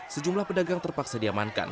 sejumlah pedagang terpaksa diamankan